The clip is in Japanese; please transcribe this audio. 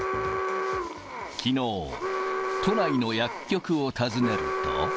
きのう、都内の薬局を訪ねると。